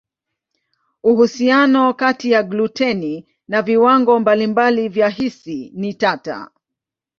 Uhusiano kati ya gluteni na viwango mbalimbali vya hisi ni tata.